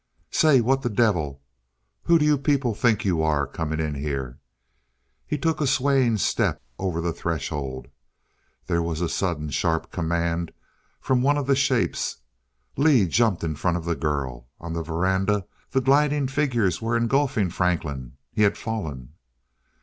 "Say what the devil who do you people think you are, comin' in here " He took a swaying step over the threshold. There was a sudden sharp command from one of the shapes. Lee jumped in front of the girl. On the verandah the gliding figures were engulfing Franklin; he had fallen.